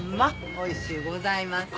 おいしゅうございます。